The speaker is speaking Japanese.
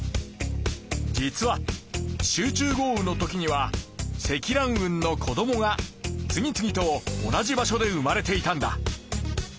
実は集中豪雨の時には積乱雲の子どもが次々と同じ場所で生まれていたんだ。